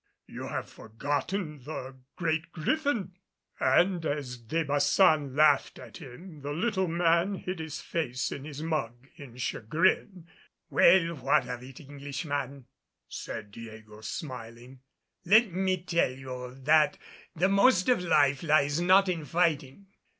"You have forgotten the Great Griffin." And as De Baçan laughed at him, the little man hid his face in his mug in chagrin. "Well, what of it, Englishman?" said Diego, smiling. "Let me tell you that the most of life lies not in fighting.